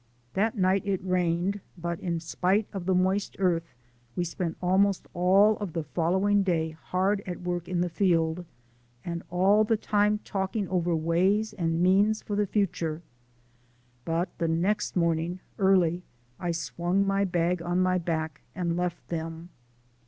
That night it rained, but in spite of the moist earth we spent almost all of the following day hard at work in the field, and all the time talking over ways and means for the future, but the next morning, early, I swung my bag on my back and left them.